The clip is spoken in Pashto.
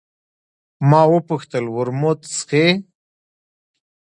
ما وپوښتل: ورموت څښې؟